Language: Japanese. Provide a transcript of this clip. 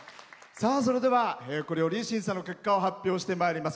それでは、これより審査の結果を発表してまいります。